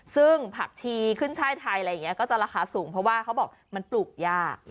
ซึ่งผักชีขึ้นช่ายไทยอะไรอย่างนี้ก็จะราคาสูงเพราะว่าเขาบอกมันปลูกยาก